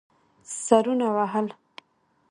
سرونه وهل.